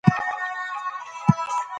تخلیقي ادب په ټولنه کي لوی بدلون راوست.